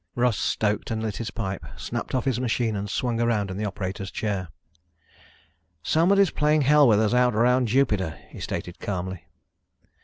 Russ stoked and lit his pipe, snapped off his machine and swung around in the operator's chair. "Somebody's playing hell with us out around Jupiter," he stated calmly.